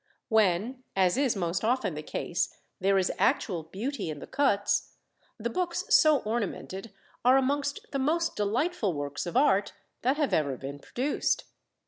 When, as is most often the case, there is actual beauty in the cuts, the books so ornamented are amongst the most delightful works of art that have ever been produced.